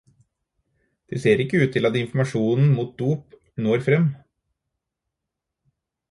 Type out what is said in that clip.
Det ser ikke ut til at informasjonen mot dop når frem.